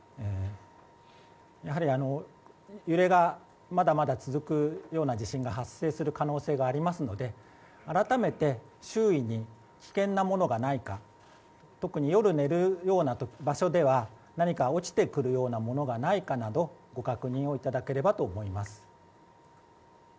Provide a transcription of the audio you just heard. やはり、揺れがまだまだ続くような地震が発生する可能性がありますので改めて周囲に危険なものがないか特に夜寝るような場所では何か落ちてくるようなものがないかなどをご確認いただければと思います。